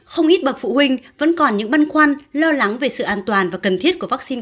không ít bậc phụ huynh vẫn còn những băn khoăn lo lắng về sự an toàn và cần thiết của vaccine